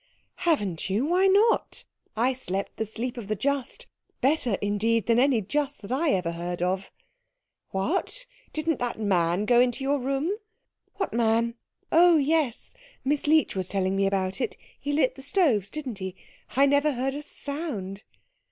"Haven't you? Why not? I slept the sleep of the just better, indeed, than any just that I ever heard of." "What, didn't that man go into your room?" "What man? Oh, yes, Miss Leech was telling me about it. He lit the stoves, didn't he? I never heard a sound."